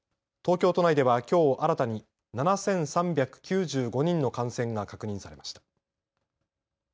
東京都内ではきょう、新たに７３９５人の感染が確認されました。